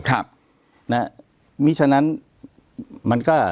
เพราะฉะนั้น